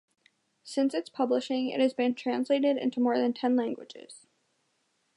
Since its publishing it has been translated into more than ten languages.